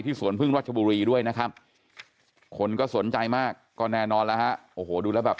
ที่สวนพึ่งวัชบุรีย์ด้วยนะครับคนก็สนใจมากก็แน่นอนละกูดูแบบ